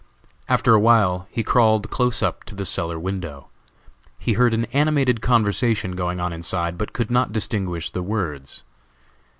After a while he crawled close up to the cellar window. He heard an animated conversation going on inside, but could not distinguish the words.